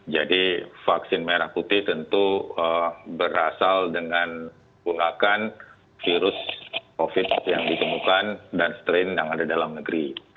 jadi vaksin merah putih tentu berasal dengan gunakan virus covid yang ditemukan dan strain yang ada dalam negeri